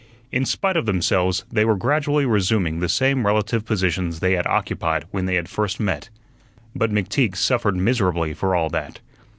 In spite of themselves they were gradually resuming the same relative positions they had occupied when they had first met. But McTeague suffered miserably for all that.